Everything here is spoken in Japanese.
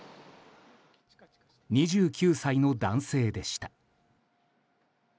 ２９歳の男性でした。